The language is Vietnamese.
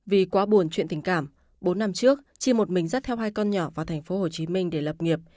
vì quá buồn chuyện tình cảm bốn năm trước chi một mình dắt theo hai con nhỏ vào thành phố hồ chí minh để lập nghiệp